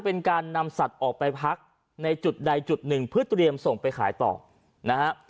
ออกไปพักในจุดใดจุดหนึ่งเพื่อเตรียมส่งไปขายต่อนะฮะ